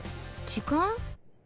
時間？